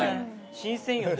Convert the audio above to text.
新鮮よね。